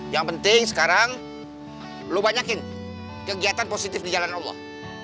yang penting sekarang lu banyakin kegiatan positif di jalan allah